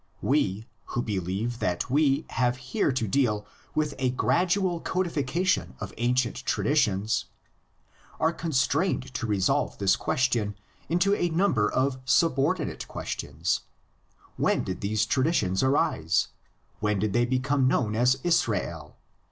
We, who believe that we have here to deal with a gradual codification of ancient traditions, are constrained to resolve this question into a number of subordinate questions: When did these traditions arise? When did they become known in Israel?